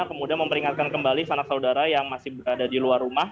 kemudian memperingatkan kembali sanak saudara yang masih berada di luar rumah